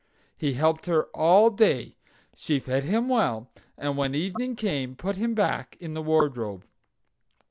He helped her all day. She fed him well, and when evening came put him back in the wardrobe.